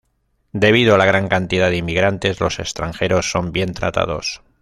Debido a la gran cantidad de inmigrantes, los extranjeros son bien tratados.